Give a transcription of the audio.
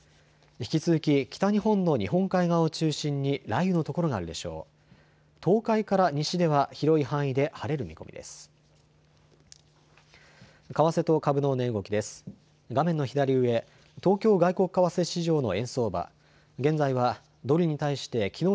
引き続き北日本の日本海側を中心に雷雨の所があるでしょう。